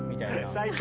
最高。